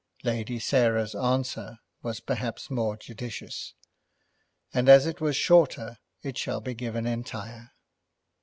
Lady Sarah's answer was perhaps more judicious; and as it was shorter it shall be given entire.